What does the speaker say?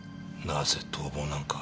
なぜ逃亡なんか。